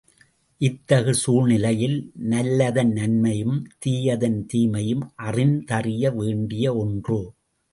இத்தகு சூழ்நிலையில் நல்லதன் நன்மையும் தீயதன் தீமையும் அறிந்தறிய வேண்டிய ஒன்று.